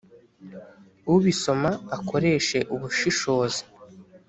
ubisoma akoreshe ubushishozi